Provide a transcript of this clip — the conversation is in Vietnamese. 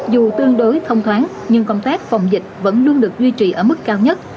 dù tương đối thông thoáng nhưng công tác phòng dịch vẫn luôn được duy trì ở mức cao nhất